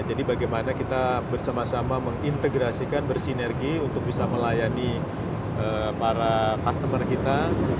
jadi bagaimana kita bersama sama mengintegrasikan bersinergineu untuk bisa melayani para customer kita